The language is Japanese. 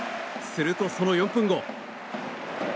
すると、その４分後。